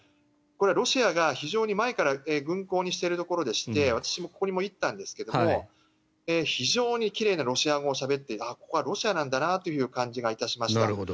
これはロシアが非常に前から軍港にしているところでして私もここにも行ったんですが非常に奇麗なロシア語をしゃべってここはロシアなんだなという感じがいたしました。